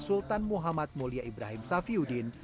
sultan muhammad mulia ibrahim safiuddin